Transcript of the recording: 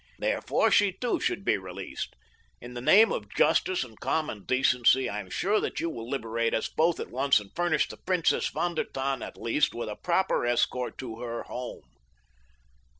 Therefore she too should be released. In the name of justice and common decency I am sure that you will liberate us both at once and furnish the Princess von der Tann, at least, with a proper escort to her home."